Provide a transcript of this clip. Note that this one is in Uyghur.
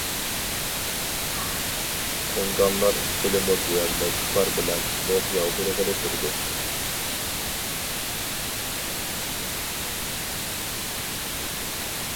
تۇڭگانلار پىلىموت ۋە مىلتىقلار بىلەن ئوق ياغدۇرغىلى تۇردى.